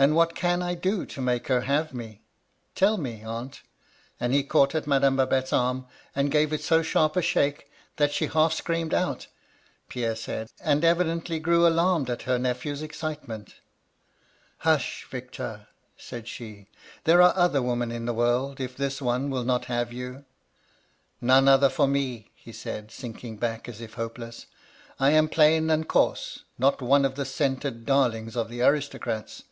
And what can I do to make her have me? Tell me, aunt,' and he caught at Madame Babette's arm, and gave it so sharp a shake, that she half screamed out. 176 MY LADY LUDLOW. Pierre said, and evidently grew alarmed at her nephew's excitement "*Hu8h, Victor r said she. * There are other women in the world, if this one will not have you.' "* None other for me/ he said, sinking back as if hopeless. ^ I am plain and coarse, not one of the scented darlings of the aristocrats.